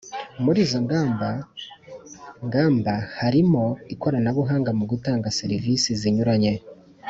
muri izo ngamba ngamba harimo ikoranabuhanga mu gutanga serivisi zinyuranye